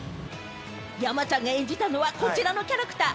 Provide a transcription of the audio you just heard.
山ちゃんが演じたのはこちらのキャラクター。